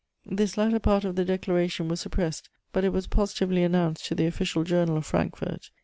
This latter part of the declaration was suppressed, but it was positively announced in the official journal of Frankfort.